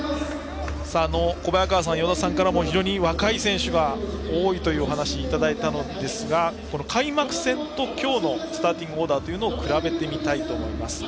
小早川さん、与田さんからも非常に若い選手が多いというお話をいただいたのですが開幕戦と今日のスターティングオーダーを比べてみたいと思います。